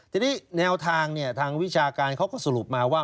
ทีนี้แนวทางทางวิชาการเขาก็สรุปมาว่า